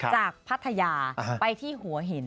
พัทยาไปที่หัวหิน